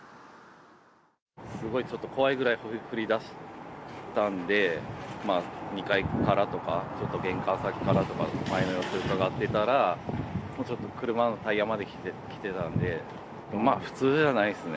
すごいちょっと怖いぐらい降りだしたんで、まあ、２階からとか、ちょっと玄関先からとか、周りの様子うかがってたら、ちょっと車のタイヤまで来てたんで。